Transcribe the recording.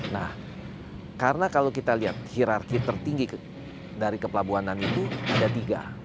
nah karena kalau kita lihat hirarki tertinggi dari kepelabuhanan itu ada tiga